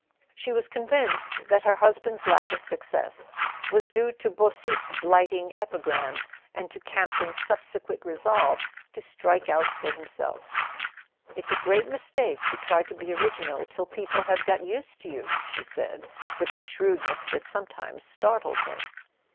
She was convinced that her husband's lack of suc¬ cess was due to Beausite's blighting epigram, and to Campton's subsequent resolve to strike out for him¬ self. " It's a great mistake to try to be original till people have got used to you," she said, with the shrewdness that sometimes startled him.